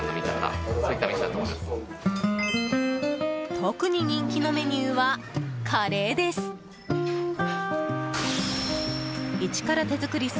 特に人気のメニューはカレーです。